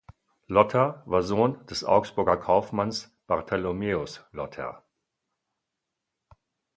Lotter war Sohn des Augsburger Kaufmanns Bartholomäus Lotter.